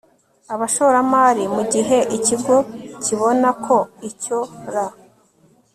abashoramari mu gihe ikigo kibona ko icyo r